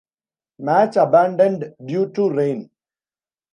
Match abandoned due to rain.